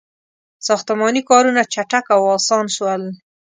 • ساختماني کارونه چټک او آسان شول.